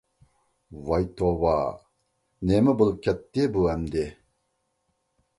ۋاي توۋا، نېمە بولۇپ كەتتى بۇ ئەمدى.